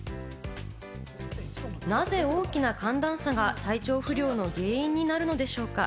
なぜ大きな寒暖差が体調不良の原因になるのでしょうか？